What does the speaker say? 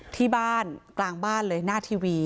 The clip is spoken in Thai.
ที่บ้านกลางบ้านเลยหน้าทีวี